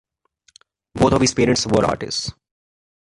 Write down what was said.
Both of his parents were artists.